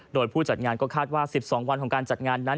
โดยผู้จัดงานก็คาดว่า๑๒วันของการจัดงานนั้น